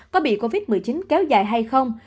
có bị covid một mươi chín kéo dài hay không